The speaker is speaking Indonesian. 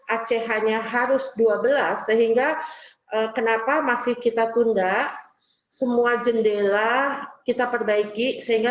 aceh hanya harus dua belas sehingga kenapa masih kita tunda semua jendela kita perbaiki sehingga